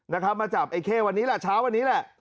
นะครับมาจับไอ้เข้วันนี้แหละเช้าวันนี้แหละ